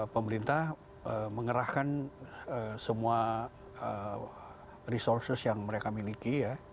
pemerintah mengerahkan semua resources yang mereka miliki ya